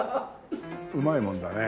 うまいもんだね。